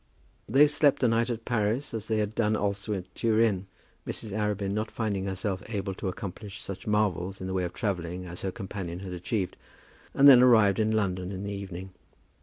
They slept a night in Paris, as they had done also at Turin, Mrs. Arabin not finding herself able to accomplish such marvels in the way of travelling as her companion had achieved and then arrived in London in the evening.